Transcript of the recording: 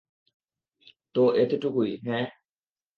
তো, এতটুকুই, হাহ?